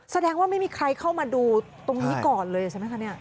แสดงว่าไม่มีใครเข้ามาดูตรงนี้ก่อนเลยใช่ไหมคะเนี่ย